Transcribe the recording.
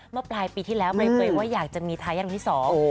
เมื่อปลายปีที่แล้วใบเฟยว่าอยากจะมีทายาทคนที่สอง